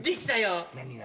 何が？